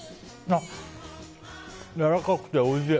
やわらかくて、おいしい。